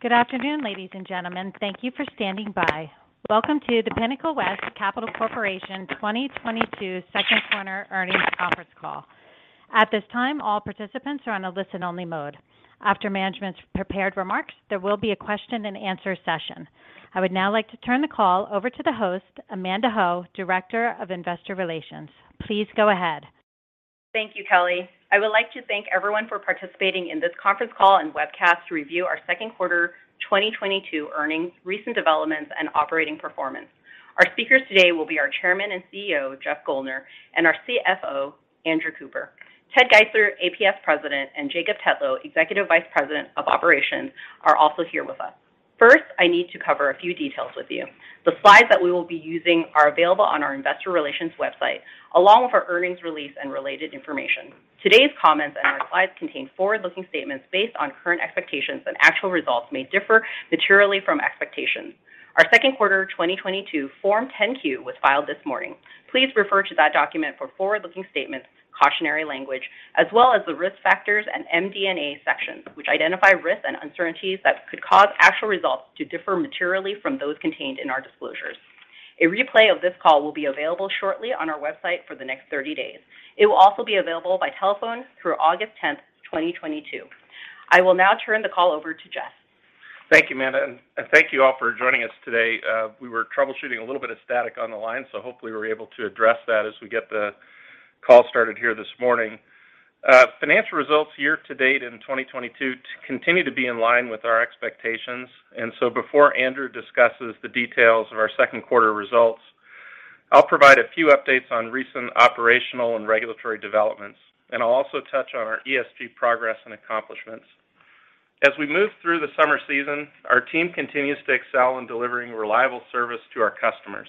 Good afternoon, ladies and gentlemen. Thank you for standing by. Welcome to the Pinnacle West Capital Corporation 2022 Second Quarter Earnings Conference Call. At this time, all participants are on a listen-only mode. After management's prepared remarks, there will be a question and answer session. I would now like to turn the call over to the host, Amanda Ho, Director of Investor Relations. Please go ahead. Thank you, Kelly. I would like to thank everyone for participating in this conference call and webcast to review our second quarter 2022 earnings, recent developments and operating performance. Our speakers today will be our Chairman and CEO, Jeff Guldner, and our CFO, Andrew Cooper. Ted Geisler, APS President, and Jacob Tetlow, Executive Vice President of Operations, are also here with us. First, I need to cover a few details with you. The slides that we will be using are available on our investor relations website, along with our earnings release and related information. Today's comments and our slides contain forward-looking statements based on current expectations, and actual results may differ materially from expectations. Our second quarter 2022 Form 10-Q was filed this morning. Please refer to that document for forward-looking statements, cautionary language, as well as the Risk Factors and MD&A sections, which identify risks and uncertainties that could cause actual results to differ materially from those contained in our disclosures. A replay of this call will be available shortly on our website for the next 30 days. It will also be available by telephone through August 10th, 2022. I will now turn the call over to Jeff. Thank you, Amanda, and thank you all for joining us today. We were troubleshooting a little bit of static on the line, so hopefully we were able to address that as we get the call started here this morning. Financial results year to date in 2022 continue to be in line with our expectations. Before Andrew discusses the details of our second quarter results, I'll provide a few updates on recent operational and regulatory developments, and I'll also touch on our ESG progress and accomplishments. As we move through the summer season, our team continues to excel in delivering reliable service to our customers.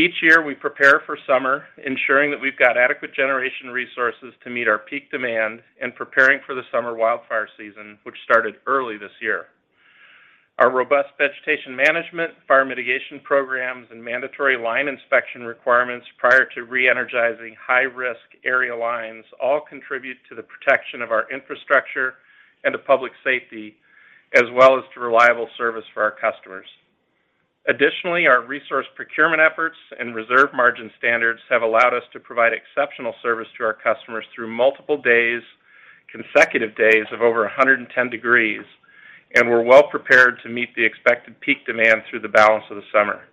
Each year, we prepare for summer, ensuring that we've got adequate generation resources to meet our peak demand and preparing for the summer wildfire season, which started early this year. Our robust vegetation management, fire mitigation programs, and mandatory line inspection requirements prior to re-energizing high-risk area lines all contribute to the protection of our infrastructure and to public safety, as well as to reliable service for our customers. Additionally, our resource procurement efforts and reserve margin standards have allowed us to provide exceptional service to our customers through multiple days, consecutive days of over 110 degrees, and we're well prepared to meet the expected peak demand through the balance of the summer.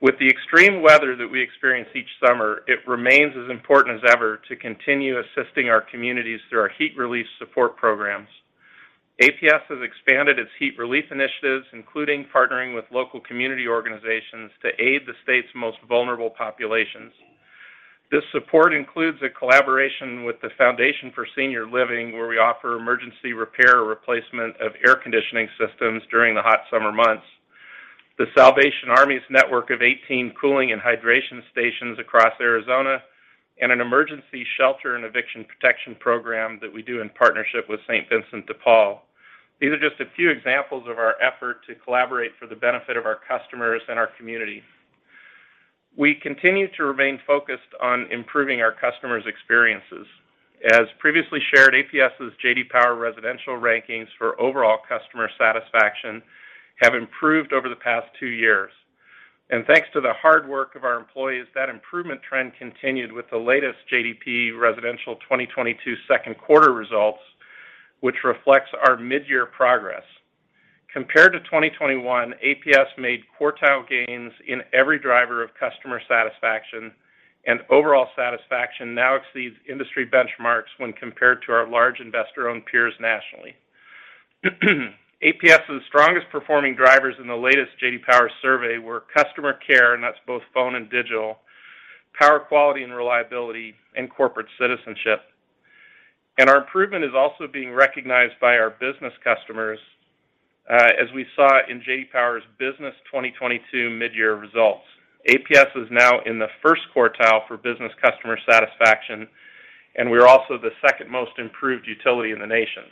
With the extreme weather that we experience each summer, it remains as important as ever to continue assisting our communities through our heat relief support programs. APS has expanded its heat relief initiatives, including partnering with local community organizations to aid the state's most vulnerable populations. This support includes a collaboration with the Foundation for Senior Living, where we offer emergency repair or replacement of air conditioning systems during the hot summer months. The Salvation Army's network of 18 cooling and hydration stations across Arizona, and an emergency shelter and eviction protection program that we do in partnership with St. Vincent de Paul. These are just a few examples of our effort to collaborate for the benefit of our customers and our community. We continue to remain focused on improving our customers' experiences. As previously shared, APS's J.D. Power residential rankings for overall customer satisfaction have improved over the past two years. Thanks to the hard work of our employees, that improvement trend continued with the latest J.D. Power residential 2022 second quarter results, which reflects our mid-year progress. Compared to 2021, APS made quartile gains in every driver of customer satisfaction, and overall satisfaction now exceeds industry benchmarks when compared to our large investor-owned peers nationally. APS's strongest performing drivers in the latest J.D. Power survey were customer care, and that's both phone and digital, power quality and reliability, and corporate citizenship. Our improvement is also being recognized by our business customers, as we saw in J.D. Power's business 2022 mid-year results. APS is now in the first quartile for business customer satisfaction, and we're also the second most improved utility in the nation.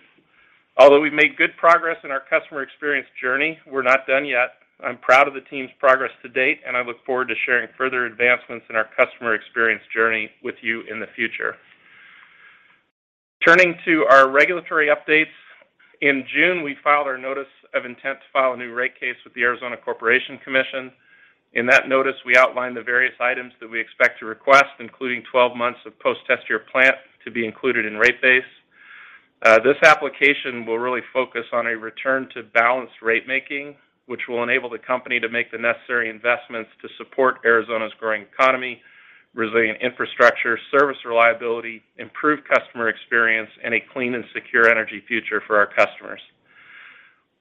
Although we've made good progress in our customer experience journey, we're not done yet. I'm proud of the team's progress to date, and I look forward to sharing further advancements in our customer experience journey with you in the future. Turning to our regulatory updates, in June, we filed our notice of intent to file a new rate case with the Arizona Corporation Commission. In that notice, we outlined the various items that we expect to request, including 12 months of post-test year plant to be included in rate base. This application will really focus on a return to balanced rate making, which will enable the company to make the necessary investments to support Arizona's growing economy, resilient infrastructure, service reliability, improved customer experience, and a clean and secure energy future for our customers.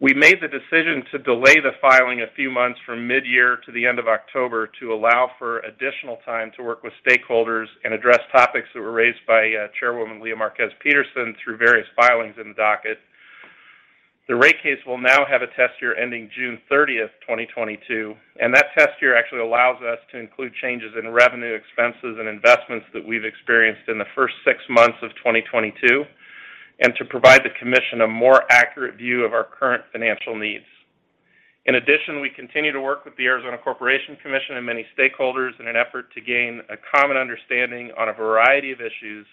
We made the decision to delay the filing a few months from mid-year to the end of October to allow for additional time to work with stakeholders and address topics that were raised by Chairwoman Lea Márquez Peterson through various filings in the docket. The rate case will now have a test year ending June 30, 2022, and that test year actually allows us to include changes in revenue, expenses, and investments that we've experienced in the first six months of 2022, and to provide the commission a more accurate view of our current financial needs. In addition, we continue to work with the Arizona Corporation Commission and many stakeholders in an effort to gain a common understanding on a variety of issues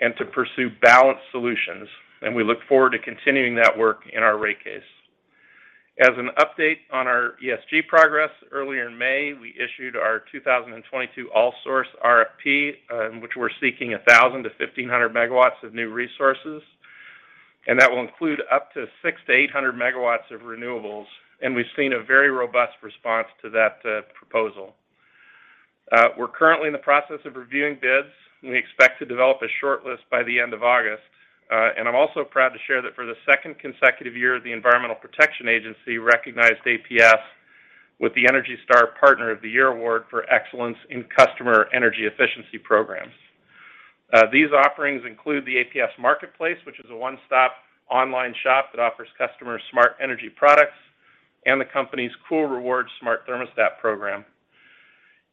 and to pursue balanced solutions. We look forward to continuing that work in our rate case. As an update on our ESG progress, earlier in May, we issued our 2022 all source RFP, in which we're seeking 1,1,000 MW-1,500 MW of new resources, and that will include up to 600 MW-800 MW of renewables. We've seen a very robust response to that proposal. We're currently in the process of reviewing bids, and we expect to develop a shortlist by the end of August. I'm also proud to share that for the second consecutive year, the Environmental Protection Agency recognized APS with the ENERGY STAR Partner of the Year Award for excellence in customer energy efficiency programs. These offerings include the APS Marketplace, which is a one-stop online shop that offers customers smart energy products, and the company's Cool Rewards smart thermostat program.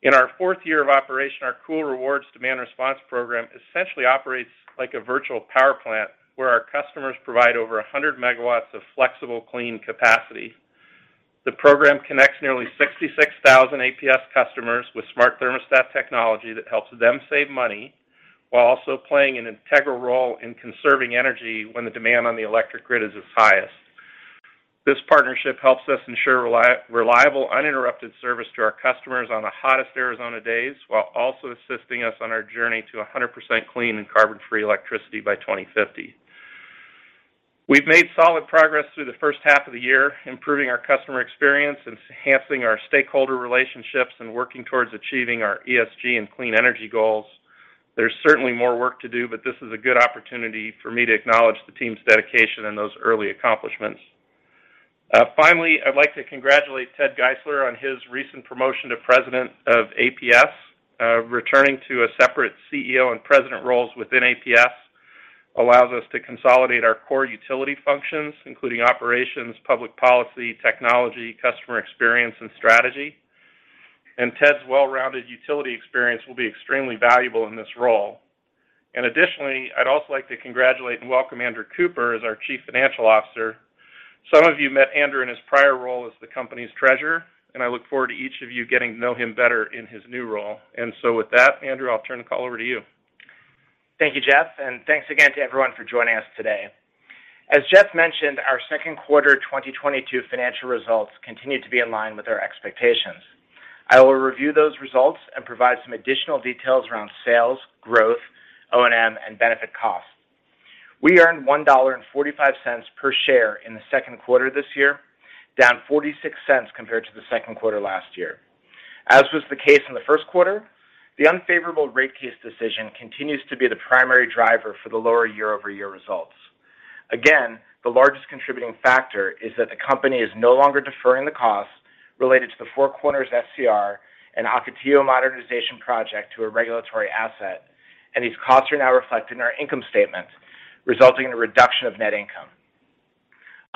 In our fourth year of operation, our Cool Rewards demand response program essentially operates like a virtual power plant where our customers provide over 100 MW of flexible clean capacity. The program connects nearly 66,000 APS customers with smart thermostat technology that helps them save money while also playing an integral role in conserving energy when the demand on the electric grid is its highest. This partnership helps us ensure reliable, uninterrupted service to our customers on the hottest Arizona days, while also assisting us on our journey to 100% clean and carbon-free electricity by 2050. We've made solid progress through the first half of the year, improving our customer experience, enhancing our stakeholder relationships, and working towards achieving our ESG and clean energy goals. There's certainly more work to do, but this is a good opportunity for me to acknowledge the team's dedication and those early accomplishments. Finally, I'd like to congratulate Ted Geisler on his recent promotion to president of APS. Returning to a separate CEO and president roles within APS allows us to consolidate our core utility functions, including operations, public policy, technology, customer experience, and strategy. Ted's well-rounded utility experience will be extremely valuable in this role. Additionally, I'd also like to congratulate and welcome Andrew Cooper as our Chief Financial Officer. Some of you met Andrew in his prior role as the company's Treasurer, and I look forward to each of you getting to know him better in his new role. With that, Andrew, I'll turn the call over to you. Thank you, Jeff, and thanks again to everyone for joining us today. As Jeff mentioned, our second quarter 2022 financial results continued to be in line with our expectations. I will review those results and provide some additional details around sales, growth, O&M, and benefit costs. We earned $1.45 per share in the second quarter this year, down $0.46 compared to the second quarter last year. As was the case in the first quarter, the unfavorable rate case decision continues to be the primary driver for the lower year-over-year results. Again, the largest contributing factor is that the company is no longer deferring the costs related to the Four Corners SCR and Ocotillo Modernization Project to a regulatory asset, and these costs are now reflected in our income statement, resulting in a reduction of net income.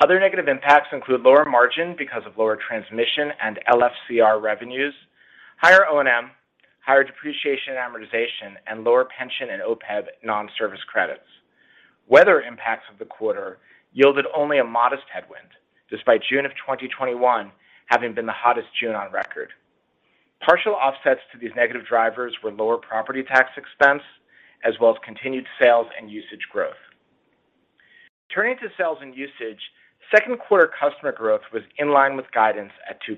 Other negative impacts include lower margin because of lower transmission and LFCR revenues, higher O&M, higher depreciation amortization, and lower pension and OPEB non-service credits. Weather impacts of the quarter yielded only a modest headwind, despite June 2021 having been the hottest June on record. Partial offsets to these negative drivers were lower property tax expense as well as continued sales and usage growth. Turning to sales and usage, second quarter customer growth was in line with guidance at 2%.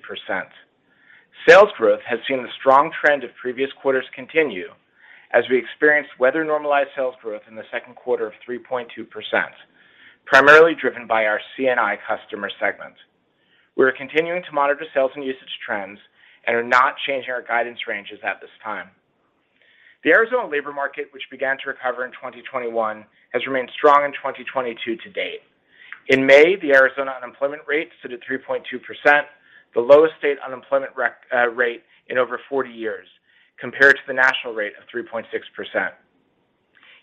Sales growth has seen the strong trend of previous quarters continue as we experienced weather-normalized sales growth in the second quarter of 3.2%, primarily driven by our C&I customer segment. We are continuing to monitor sales and usage trends and are not changing our guidance ranges at this time. The Arizona labor market, which began to recover in 2021, has remained strong in 2022 to date. In May, the Arizona unemployment rate stood at 3.2%, the lowest state unemployment rate in over 40 years, compared to the national rate of 3.6%.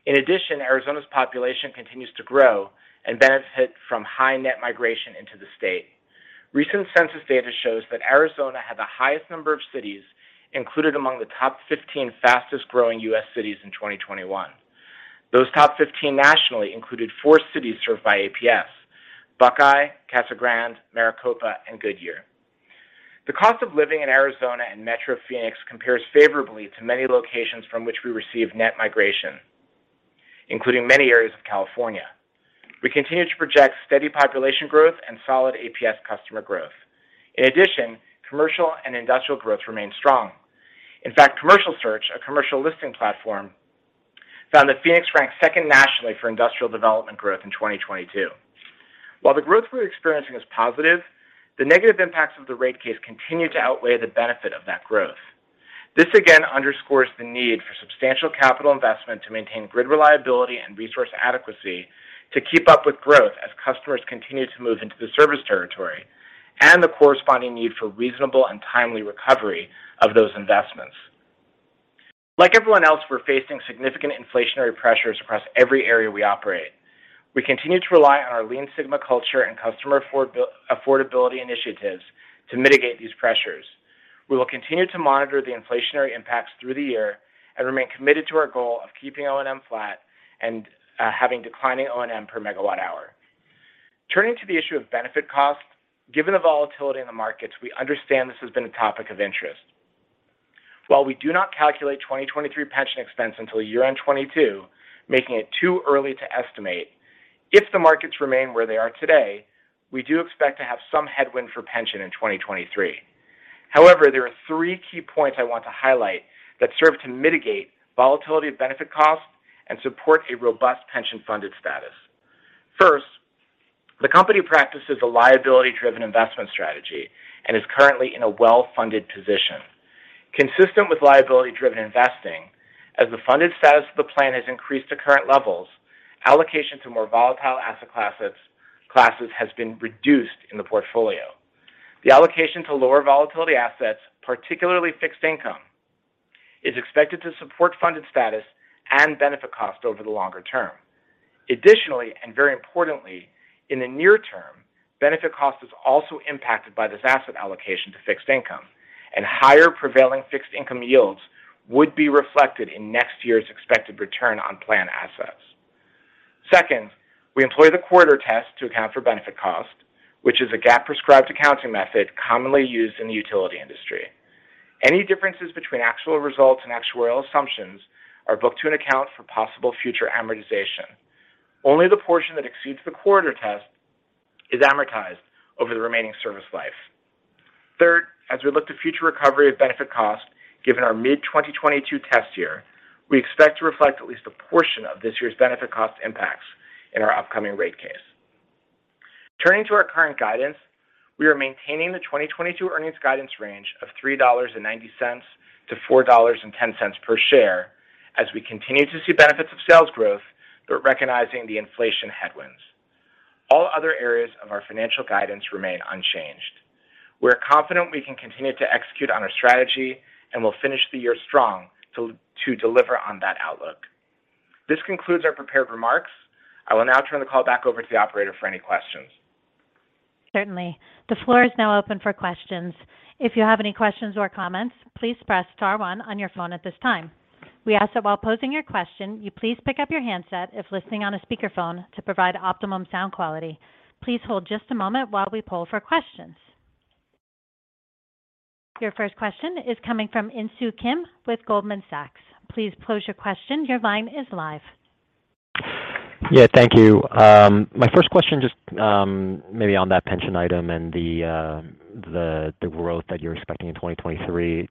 In addition, Arizona's population continues to grow and benefits from high net migration into the state. Recent census data shows that Arizona had the highest number of cities included among the top 15 fastest-growing U.S. cities in 2021. Those top 15 nationally included four cities served by APS, Buckeye, Casa Grande, Maricopa, and Goodyear. The cost of living in Arizona and Metro Phoenix compares favorably to many locations from which we receive net migration, including many areas of California. We continue to project steady population growth and solid APS customer growth. In addition, commercial and industrial growth remain strong. In fact, CommercialSearch, a commercial listing platform, found that Phoenix ranked second nationally for industrial development growth in 2022. While the growth we're experiencing is positive, the negative impacts of the rate case continue to outweigh the benefit of that growth. This again underscores the need for substantial capital investment to maintain grid reliability and resource adequacy to keep up with growth as customers continue to move into the service territory and the corresponding need for reasonable and timely recovery of those investments. Like everyone else, we're facing significant inflationary pressures across every area we operate. We continue to rely on our Lean Sigma culture and customer affordability initiatives to mitigate these pressures. We will continue to monitor the inflationary impacts through the year and remain committed to our goal of keeping O&M flat and having declining O&M per megawatt hour. Turning to the issue of benefit costs. Given the volatility in the markets, we understand this has been a topic of interest. While we do not calculate 2023 pension expense until year-end 2022, making it too early to estimate, if the markets remain where they are today, we do expect to have some headwind for pension in 2023. However, there are three key points I want to highlight that serve to mitigate volatility of benefit costs and support a robust pension funded status. First, the company practices a liability-driven investment strategy and is currently in a well-funded position. Consistent with liability-driven investing, as the funded status of the plan has increased to current levels, allocation to more volatile asset classes has been reduced in the portfolio. The allocation to lower volatility assets, particularly fixed income, is expected to support funded status and benefit costs over the longer term. Additionally, and very importantly, in the near term, benefit cost is also impacted by this asset allocation to fixed income, and higher prevailing fixed income yields would be reflected in next year's expected return on plan assets. Second, we employ the corridor test to account for benefit cost, which is a GAAP-prescribed accounting method commonly used in the utility industry. Any differences between actual results and actuarial assumptions are booked to an account for possible future amortization. Only the portion that exceeds the corridor test is amortized over the remaining service life. Third, as we look to future recovery of benefit costs, given our mid-2022 test year, we expect to reflect at least a portion of this year's benefit cost impacts in our upcoming rate case. Turning to our current guidance, we are maintaining the 2022 earnings guidance range of $3.90-$4.10 per share as we continue to see benefits of sales growth, but recognizing the inflation headwinds. All other areas of our financial guidance remain unchanged. We're confident we can continue to execute on our strategy, and we'll finish the year strong to deliver on that outlook. This concludes our prepared remarks. I will now turn the call back over to the operator for any questions. Certainly. The floor is now open for questions. If you have any questions or comments, please press star one on your phone at this time. We ask that while posing your question, you please pick up your handset if listening on a speakerphone to provide optimum sound quality. Please hold just a moment while we poll for questions. Your first question is coming from Insoo Kim with Goldman Sachs. Please pose your question. Your line is live. Yeah, thank you. My first question, just maybe on that pension item and the growth that you're expecting in 2023.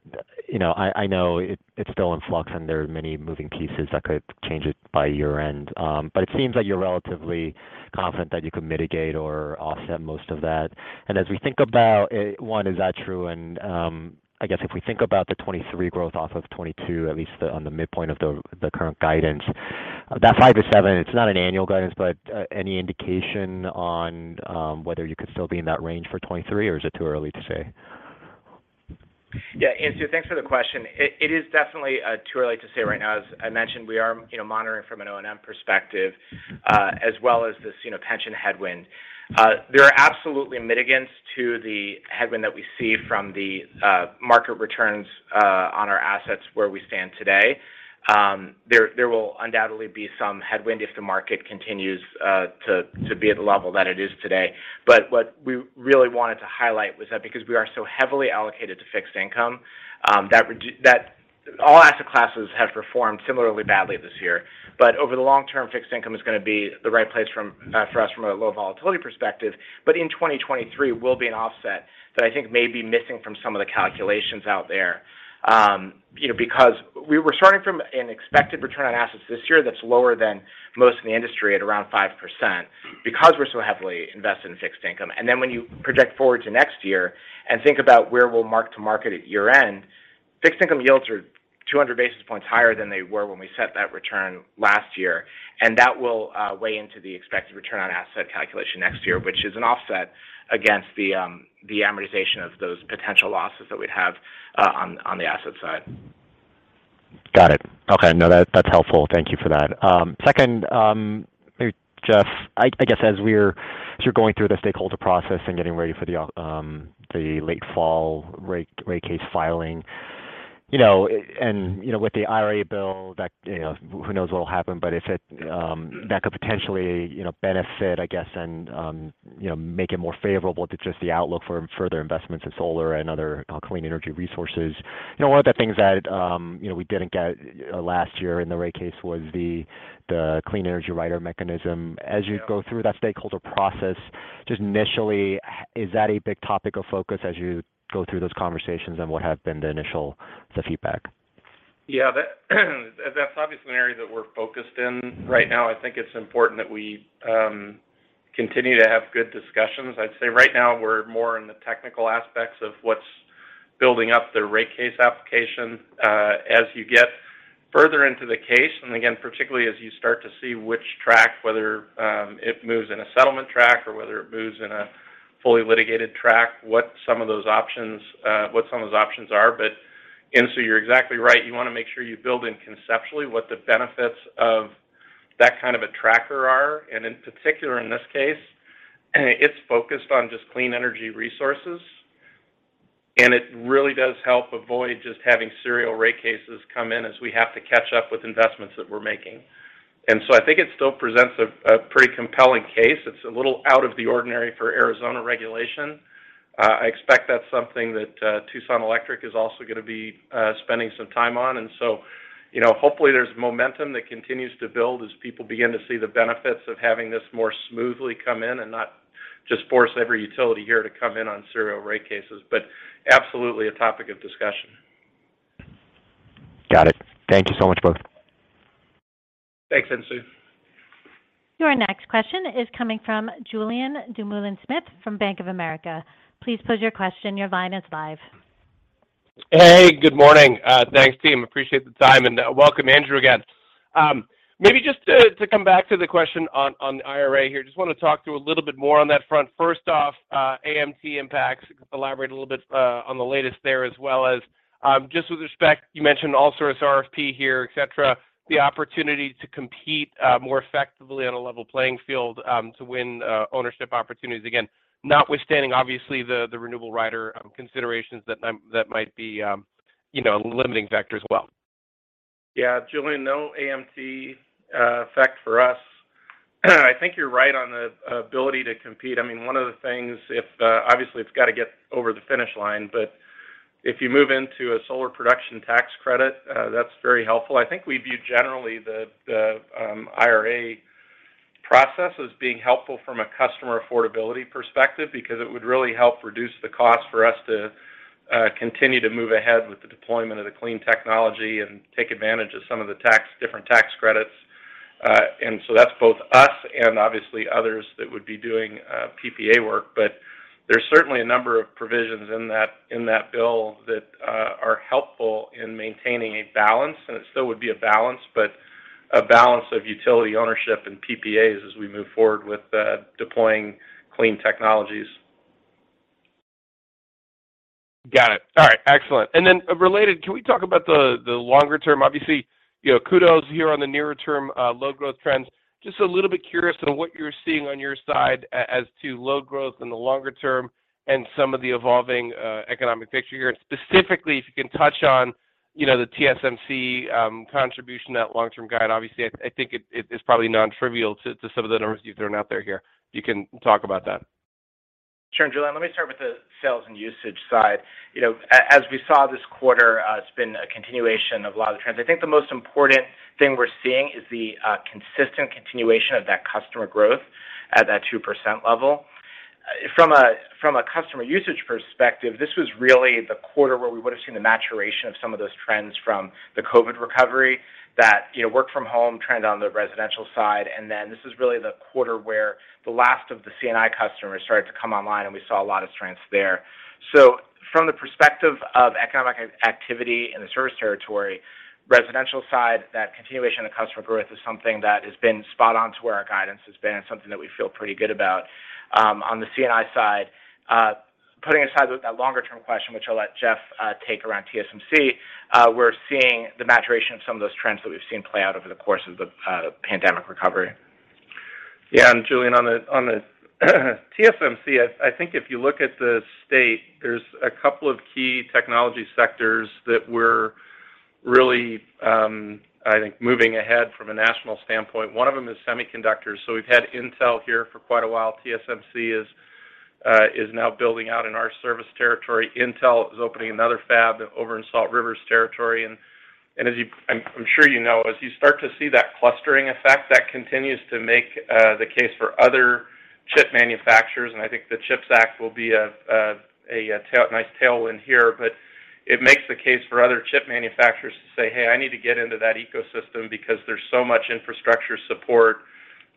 You know, I know it's still in flux, and there are many moving pieces that could change it by year-end, but it seems that you're relatively confident that you could mitigate or offset most of that. As we think about it, one, is that true? I guess if we think about the 2023 growth off of 2022, at least on the midpoint of the current guidance, that 5%-7%, it's not an annual guidance, but any indication on whether you could still be in that range for 2023, or is it too early to say? Yeah, Insoo, thanks for the question. It is definitely too early to say right now. As I mentioned, we are monitoring from an O&M perspective as well as this pension headwind. There are absolutely mitigants to the headwind that we see from the market returns on our assets where we stand today. There will undoubtedly be some headwind if the market continues to be at the level that it is today. What we really wanted to highlight was that because we are so heavily allocated to fixed income, that all asset classes have performed similarly badly this year. Over the long term, fixed income is gonna be the right place from for us from a low volatility perspective. In 2023 will be an offset that I think may be missing from some of the calculations out there. You know, because we were starting from an expected return on assets this year that's lower than most in the industry at around 5% because we're so heavily invested in fixed income. When you project forward to next year and think about where we'll mark to market at year-end, fixed income yields are 200 basis points higher than they were when we set that return last year, and that will weigh into the expected return on asset calculation next year, which is an offset against the amortization of those potential losses that we'd have on the asset side. Got it. Okay. No, that's helpful. Thank you for that. Second, maybe, Jeff, I guess as you're going through the stakeholder process and getting ready for the late fall rate case filing, you know, and with the IRA bill that, you know, who knows what will happen, but if it could potentially, you know, benefit, I guess, and make it more favorable to just the outlook for further investments in solar and other clean energy resources. You know, one of the things that, you know, we didn't get last year in the rate case was the clean energy rider mechanism. As you go through that stakeholder process, just initially, is that a big topic of focus as you go through those conversations and what have been the initial feedback? Yeah. That's obviously an area that we're focused in right now. I think it's important that we continue to have good discussions. I'd say right now we're more in the technical aspects of what's building up the rate case application. As you get further into the case, and again, particularly as you start to see which track, whether it moves in a settlement track or whether it moves in a fully litigated track, what some of those options are. Insoo, you're exactly right. You want to make sure you build in conceptually what the benefits of that kind of a tracker are. In particular, in this case. It's focused on just clean energy resources, and it really does help avoid just having serial rate cases come in as we have to catch up with investments that we're making. I think it still presents a pretty compelling case. It's a little out of the ordinary for Arizona regulation. I expect that's something that Tucson Electric Power is also gonna be spending some time on. You know, hopefully, there's momentum that continues to build as people begin to see the benefits of having this more smoothly come in and not just force every utility here to come in on serial rate cases. Absolutely a topic of discussion. Got it. Thank you so much, both. Thanks, Insoo. Your next question is coming from Julien Dumoulin-Smith from Bank of America. Please pose your question. Your line is live. Hey, good morning. Thanks, team. Appreciate the time, and welcome Andrew again. Maybe just to come back to the question on the IRA here. Just wanna talk through a little bit more on that front. First off, AMT impacts. Elaborate a little bit on the latest there, as well as just with respect, you mentioned all source RFP here, et cetera, the opportunity to compete more effectively on a level playing field to win ownership opportunities. Again, notwithstanding obviously the renewable rider considerations that might be, you know, a limiting factor as well. Yeah. Julien Dumoulin-Smith, no AMT effect for us. I think you're right on the ability to compete. I mean, one of the things, if obviously it's gotta get over the finish line, but if you move into a solar production tax credit, that's very helpful. I think we view generally the IRA process as being helpful from a customer affordability perspective because it would really help reduce the cost for us to continue to move ahead with the deployment of the clean technology and take advantage of some of the tax, different tax credits. That's both us and obviously others that would be doing PPA work. There's certainly a number of provisions in that bill that are helpful in maintaining a balance, and it still would be a balance, but a balance of utility ownership and PPAs as we move forward with deploying clean technologies. Got it. All right, excellent. Related, can we talk about the longer term? Obviously, you know, kudos here on the nearer term load growth trends. Just a little bit curious on what you're seeing on your side as to load growth in the longer term and some of the evolving economic picture here. Specifically, if you can touch on, you know, the TSMC contribution, that long-term guide. Obviously, I think it is probably non-trivial to some of the numbers you've thrown out there here. You can talk about that. Sure. Julien, let me start with the sales and usage side. You know, as we saw this quarter, it's been a continuation of a lot of the trends. I think the most important thing we're seeing is the consistent continuation of that customer growth at that 2% level. From a customer usage perspective, this was really the quarter where we would've seen the maturation of some of those trends from the COVID recovery that, you know, work from home trend on the residential side, and then this is really the quarter where the last of the C&I customers started to come online, and we saw a lot of strengths there. From the perspective of economic activity in the service territory, residential side, that continuation of customer growth is something that has been spot on to where our guidance has been.It's something that we feel pretty good about. On the C&I side, putting aside that longer term question, which I'll let Jeff take around TSMC, we're seeing the maturation of some of those trends that we've seen play out over the course of the pandemic recovery. Yeah. Julien, on the TSMC, I think if you look at the state, there's a couple of key technology sectors that we're really I think moving ahead from a national standpoint, one of them is semiconductors. We've had Intel here for quite a while. TSMC is now building out in our service territory. Intel is opening another fab over in Salt River's territory. I'm sure you know, as you start to see that clustering effect, that continues to make the case for other chip manufacturers, and I think the CHIPS Act will be a nice tailwind here. It makes the case for other chip manufacturers to say, "Hey, I need to get into that ecosystem because there's so much infrastructure support."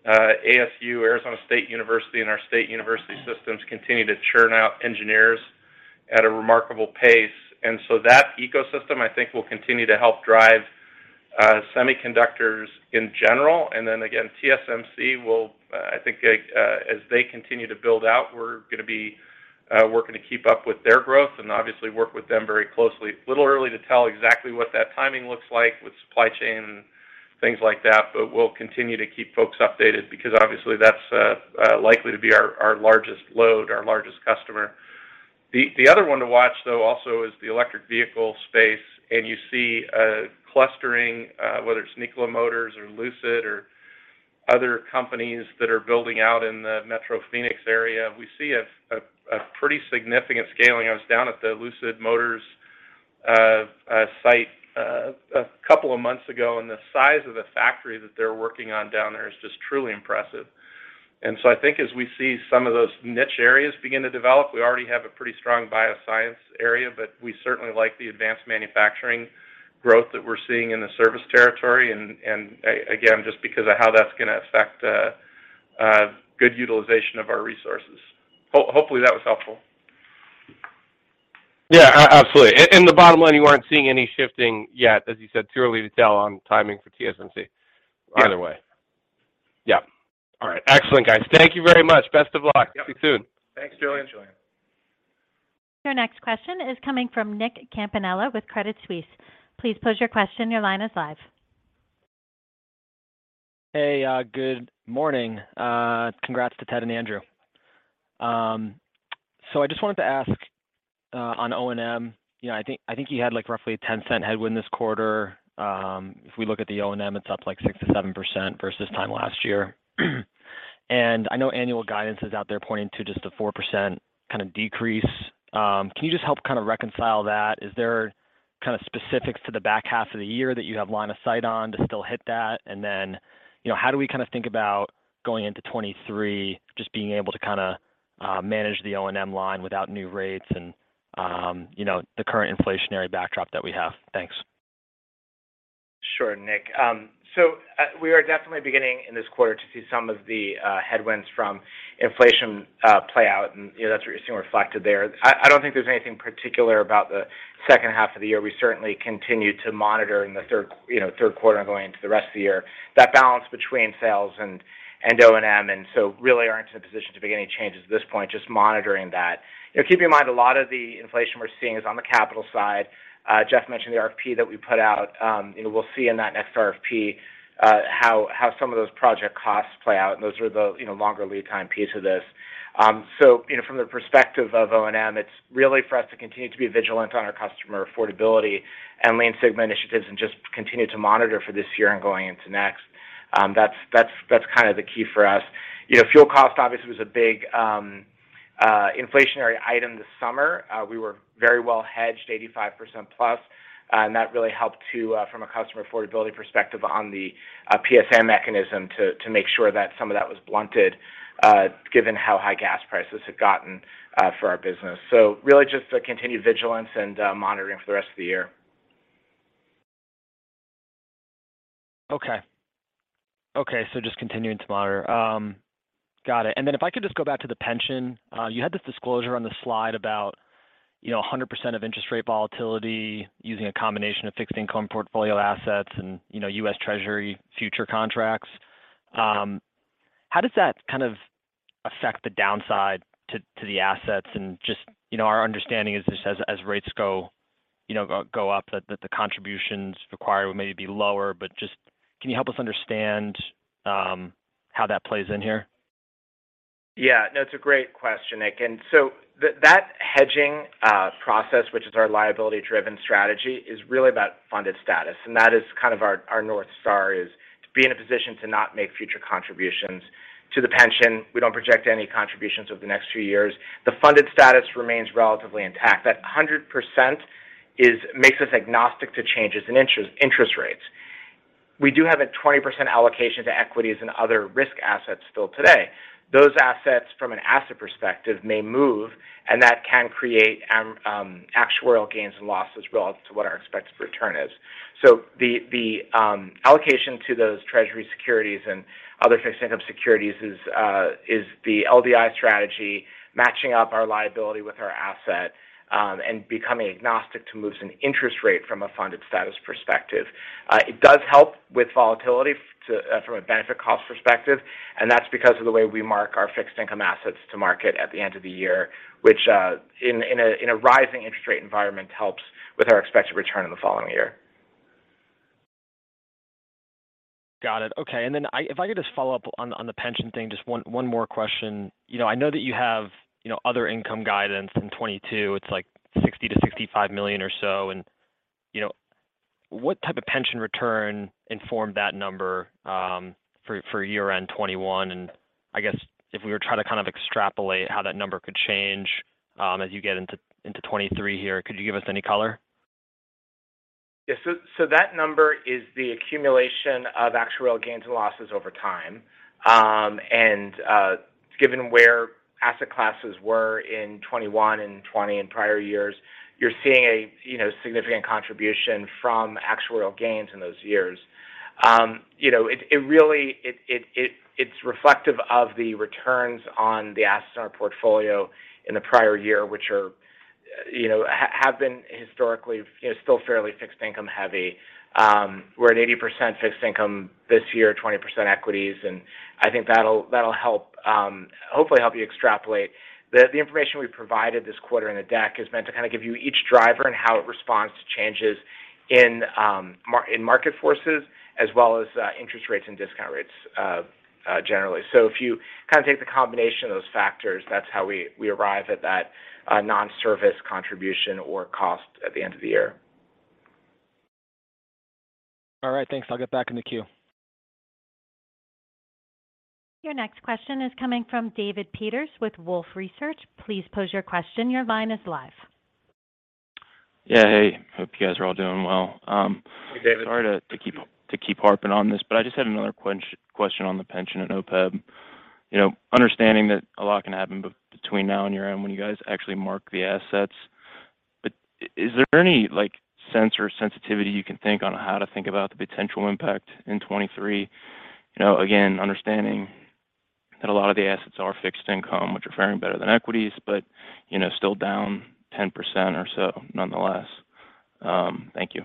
ASU, Arizona State University, and our state university systems continue to churn out engineers at a remarkable pace. That ecosystem, I think, will continue to help drive semiconductors in general. TSMC will, I think, as they continue to build out, we're gonna be working to keep up with their growth and obviously work with them very closely. A little early to tell exactly what that timing looks like with supply chain and things like that, but we'll continue to keep folks updated because obviously that's likely to be our largest load, our largest customer. The other one to watch, though, also is the electric vehicle space, and you see clustering, whether it's Nikola Motors or Lucid or other companies that are building out in the metro Phoenix area. We see a pretty significant scaling. I was down at the Lucid Motors site a couple of months ago, and the size of the factory that they're working on down there is just truly impressive. Again, just because of how that's gonna affect good utilization of our resources. Hopefully, that was helpful. Yeah. Absolutely. The bottom line, you aren't seeing any shifting yet, as you said. Too early to tell on timing for TSMC. Yes Either way. Yeah. All right. Excellent, guys. Thank you very much. Best of luck. Yep. Talk to you soon. Thanks, Julien. Thanks, Julien. Your next question is coming from Nick Campanella with Credit Suisse. Please pose your question. Your line is live. Hey, good morning. Congrats to Ted and Andrew. So I just wanted to ask on O&M, you know, I think you had like roughly $0.10 headwind this quarter. If we look at the O&M, it's up like 6%-7% versus this time last year. I know annual guidance is out there pointing to just a 4% decrease. Can you just help kind of reconcile that? Is there kind of specifics to the back half of the year that you have line of sight on to still hit that? Then, you know, how do we kind of think about going into 2023 just being able to manage the O&M line without new rates and, you know, the current inflationary backdrop that we have? Thanks. Sure, Nick. So, we are definitely beginning in this quarter to see some of the headwinds from inflation play out, and you know, that's reflected there. I don't think there's anything particular about the second half of the year. We certainly continue to monitor in the third, you know, Q3 and going into the rest of the year, that balance between sales and O&M, and so really aren't in a position to make any changes at this point, just monitoring that. You know, keep in mind, a lot of the inflation we're seeing is on the capital side. Jeff mentioned the RFP that we put out. You know, we'll see in that next RFP, how some of those project costs play out, and those are the, you know, longer lead time piece of this. You know, from the perspective of O&M, it's really for us to continue to be vigilant on our customer affordability and Lean Sigma initiatives and just continue to monitor for this year and going into next. That's kind of the key for us. You know, fuel cost obviously was a big inflationary item this summer. We were very well hedged, 85%+, and that really helped to from a customer affordability perspective on the PSM mechanism to make sure that some of that was blunted, given how high gas prices had gotten for our business. Really just a continued vigilance and monitoring for the rest of the year. Okay, just continuing to monitor. Got it. If I could just go back to the pension. You had this disclosure on the slide about, you know, 100% of interest rate volatility using a combination of fixed income portfolio assets and, you know, U.S. Treasury futures contracts. How does that kind of affect the downside to the assets? Just, you know, our understanding is just as rates go, you know, go up, that the contributions required would maybe be lower. Just can you help us understand how that plays in here? Yeah. No, it's a great question, Nick. That hedging process, which is our liability-driven strategy, is really about funded status, and that is kind of our North Star is to be in a position to not make future contributions to the pension. We don't project any contributions over the next few years. The funded status remains relatively intact. That 100% makes us agnostic to changes in interest rates. We do have a 20% allocation to equities and other risk assets still today. Those assets from an asset perspective may move, and that can create actuarial gains and losses relative to what our expected return is. The allocation to those treasury securities and other fixed income securities is the LDI strategy matching up our liability with our asset and becoming agnostic to moves in interest rate from a funded status perspective. It does help with volatility from a benefit cost perspective, and that's because of the way we mark our fixed income assets to market at the end of the year, which in a rising interest rate environment helps with our expected return in the following year. Got it. Okay. If I could just follow up on the pension thing, just one more question. You know, I know that you have other income guidance in 2022. It's like $60 million-$65 million or so. You know, what type of pension return informed that number for year-end 2021? I guess if we were trying to kind of extrapolate how that number could change as you get into 2023 here, could you give us any color? Yeah. That number is the accumulation of actuarial gains and losses over time. Given where asset classes were in 2021 and 2020 in prior years, you're seeing a you know significant contribution from actuarial gains in those years. You know, it's reflective of the returns on the assets in our portfolio in the prior year, which are you know have been historically you know still fairly fixed income heavy. We're at 80% fixed income this year, 20% equities, and I think that'll help hopefully help you extrapolate. The information we provided this quarter in the deck is meant to kind of give you each driver and how it responds to changes in market forces as well as interest rates and discount rates generally. If you kind of take the combination of those factors, that's how we arrive at that non-service contribution or cost at the end of the year. All right. Thanks. I'll get back in the queue. Your next question is coming from David Peters with Wolfe Research. Please pose your question. Your line is live. Yeah. Hey, hope you guys are all doing well. Hey, David. Sorry to keep harping on this, but I just had another question on the pension and OPEB. You know, understanding that a lot can happen between now and year-end when you guys actually mark the assets, but is there any, like, sense or sensitivity you can think on how to think about the potential impact in 2023? You know, again, understanding that a lot of the assets are fixed income, which are faring better than equities, but, you know, still down 10% or so nonetheless. Thank you.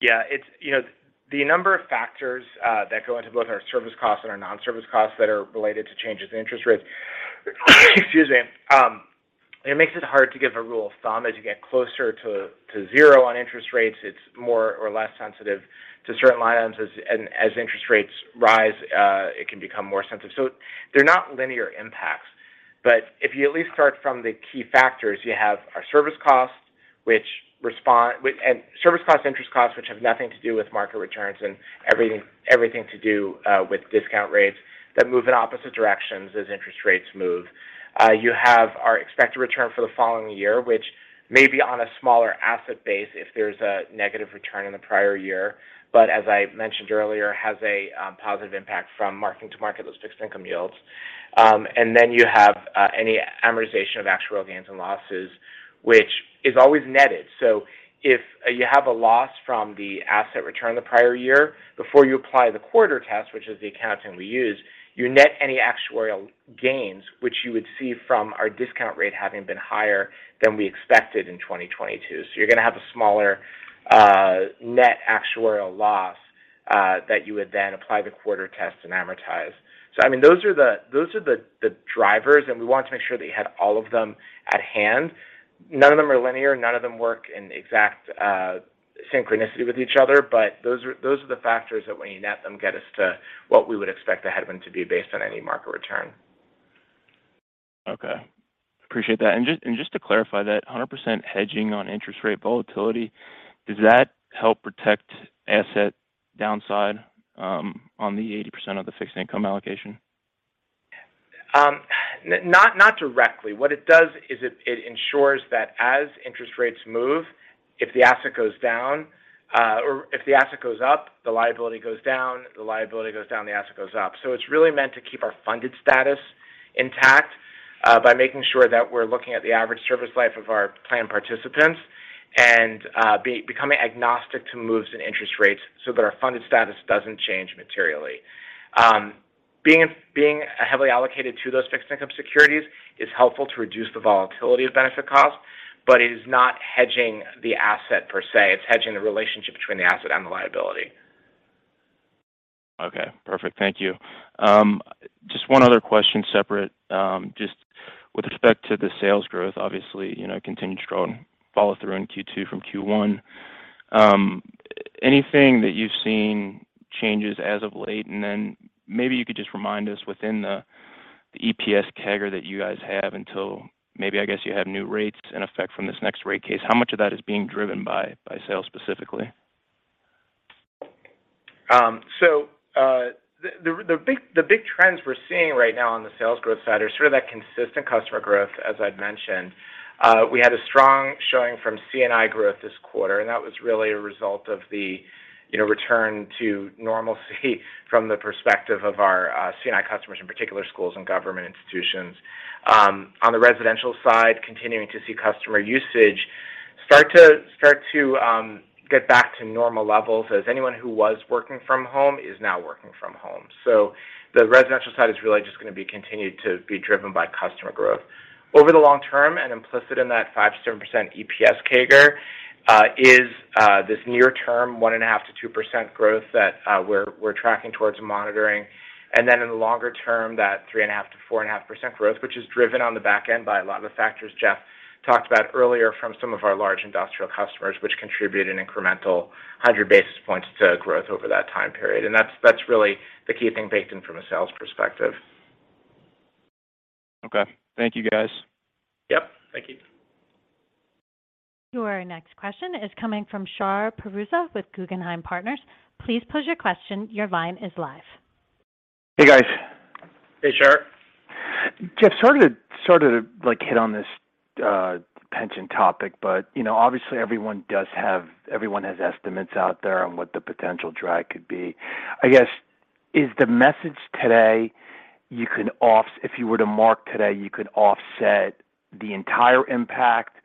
Yeah. It's, you know, the number of factors that go into both our service costs and our non-service costs that are related to changes in interest rates. Excuse me. It makes it hard to give a rule of thumb. As you get closer to zero on interest rates, it's more or less sensitive to certain line items, and as interest rates rise, it can become more sensitive. So they're not linear impacts. If you at least start from the key factors, you have our service costs and interest costs, which have nothing to do with market returns and everything to do with discount rates that move in opposite directions as interest rates move. You have our expected return for the following year, which may be on a smaller asset base if there's a negative return in the prior year, but as I mentioned earlier, has a positive impact from marking to market those fixed income yields. You have any amortization of actuarial gains and losses, which is always netted. If you have a loss from the asset return the prior year, before you apply the corridor test, which is the accounting we use, you net any actuarial gains, which you would see from our discount rate having been higher than we expected in 2022. You're gonna have a smaller net actuarial loss that you would then apply the corridor test and amortize. I mean, those are the drivers, and we wanted to make sure that you had all of them at hand. None of them are linear, none of them work in exact synchronicity with each other, but those are the factors that when you net them, get us to what we would expect the headwind to be based on any market return. Okay. Appreciate that. Just to clarify, 100% hedging on interest rate volatility, does that help protect asset downside on the 80% of the fixed income allocation? Not directly. What it does is it ensures that as interest rates move, if the asset goes down, or if the asset goes up, the liability goes down, if the liability goes down, the asset goes up. It's really meant to keep our funded status intact, by making sure that we're looking at the average service life of our plan participants and, becoming agnostic to moves in interest rates so that our funded status doesn't change materially. Being heavily allocated to those fixed income securities is helpful to reduce the volatility of benefit costs, but it is not hedging the asset per se. It's hedging the relationship between the asset and the liability. Okay, perfect. Thank you. Just one other question, separate, just with respect to the sales growth, obviously, you know, continued strong follow-through in Q2 from Q1. Anything that you've seen changes as of late? And then maybe you could just remind us within the EPS CAGR that you guys have until maybe, I guess you have new rates in effect from this next rate case. How much of that is being driven by sales specifically? The big trends we're seeing right now on the sales growth side are sort of that consistent customer growth, as I'd mentioned. We had a strong showing from C&I growth this quarter, and that was really a result of the, you know, return to normalcy from the perspective of our C&I customers, in particular schools and government institutions. On the residential side, continuing to see customer usage start to get back to normal levels as anyone who was working from home is now working from home. The residential side is really just gonna be continued to be driven by customer growth. Over the long term, and implicit in that 5%-7% EPS CAGR, is this near term 1.5%-2% growth that we're tracking towards monitoring. In the longer term, that 3.5%-4.5% growth, which is driven on the back end by a lot of the factors Jeff talked about earlier from some of our large industrial customers, which contribute an incremental 100 basis points to growth over that time period. That's really the key thing baked in from a sales perspective. Okay. Thank you, guys. Yep. Thank you. Your next question is coming from Shar Pourreza with Guggenheim Partners. Please pose your question. Your line is live. Hey, guys. Hey, Shar. Jeff, sort of like hit on this pension topic, but you know, obviously everyone has estimates out there on what the potential drag could be. I guess this is the message today, if you were to mark to market today, you can offset the entire impact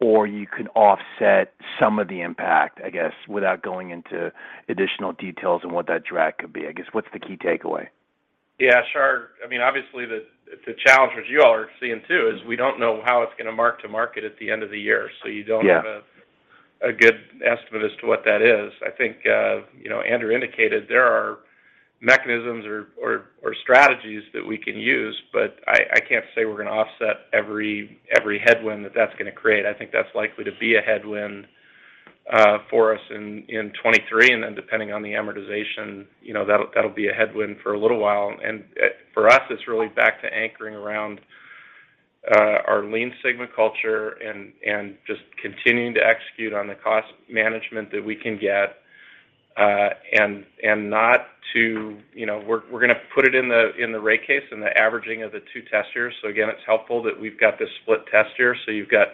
or you can offset some of the impact, I guess, without going into additional details on what that drag could be. I guess, what's the key takeaway? Yeah, Shar. I mean, obviously the challenge, which you all are seeing too, is we don't know how it's gonna mark to market at the end of the year, so you don't. Yeah Have a good estimate as to what that is. I think you know, Andrew indicated there are mechanisms or strategies that we can use, but I can't say we're gonna offset every headwind that that's gonna create. I think that's likely to be a headwind for us in 2023, and then depending on the amortization, you know, that'll be a headwind for a little while. For us, it's really back to anchoring around our Lean Sigma culture and just continuing to execute on the cost management that we can get, and you know, we're gonna put it in the rate case and the averaging of the two test years. Again, it's helpful that we've got this split test year. You've got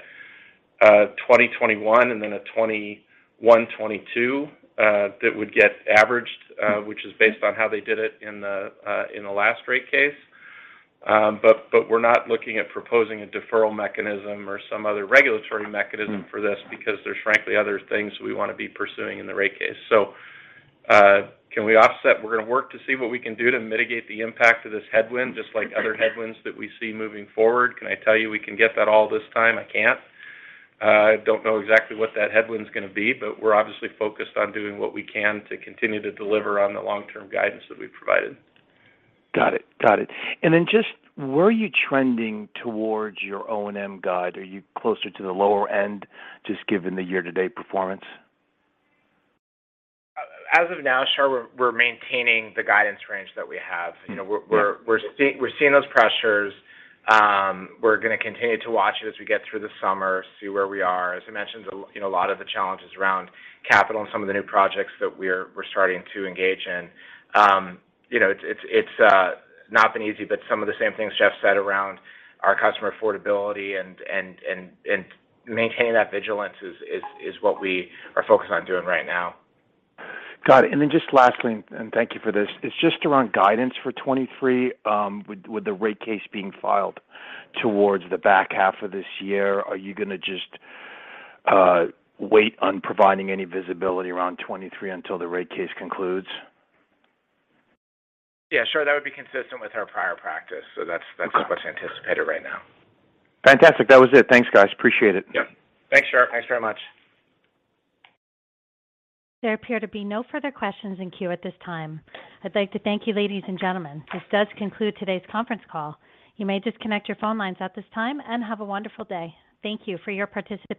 2021 and then a 2021-2022 that would get averaged, which is based on how they did it in the last rate case. But we're not looking at proposing a deferral mechanism or some other regulatory mechanism for this because there's frankly other things we wanna be pursuing in the rate case. Can we offset? We're gonna work to see what we can do to mitigate the impact of this headwind, just like other headwinds that we see moving forward. Can I tell you we can get that all this time? I can't. I don't know exactly what that headwind's gonna be, but we're obviously focused on doing what we can to continue to deliver on the long-term guidance that we've provided. Got it. Just were you trending towards your O&M guide? Are you closer to the lower end just given the year-to-date performance? As of now, Shar, we're maintaining the guidance range that we have. You know, we're seeing those pressures. We're gonna continue to watch it as we get through the summer, see where we are. As I mentioned, you know, a lot of the challenge is around capital and some of the new projects that we're starting to engage in. You know, it's not been easy, but some of the same things Jeff said around our customer affordability and maintaining that vigilance is what we are focused on doing right now. Got it. Just lastly, and thank you for this. It's just around guidance for 2023, with the rate case being filed towards the back half of this year. Are you gonna just wait on providing any visibility around 2023 until the rate case concludes? Yeah, sure. That would be consistent with our prior practice. That's what's anticipated right now. Fantastic. That was it. Thanks, guys. Appreciate it. Yep. Thanks, Shar. Thanks very much. There appear to be no further questions in queue at this time. I'd like to thank you ladies and gentlemen. This does conclude today's conference call. You may disconnect your phone lines at this time, and have a wonderful day. Thank you for your participation.